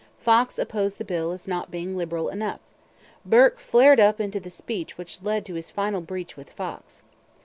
Fox opposed the bill as not being liberal enough. Burke flared up into the speech which led to his final breach with Fox.